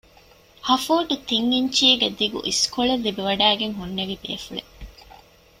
ހަ ފޫޓު ތިން އިންޗީގެ ދިގު އިސްކޮޅެއް ލިބިވަޑައިގެން ހުންނެވި ބޭފުޅެއް